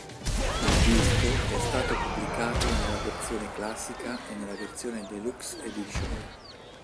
Il disco è stato pubblicato nella versione classica e nella versione Deluxe Edition.